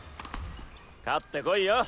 勝ってこいよ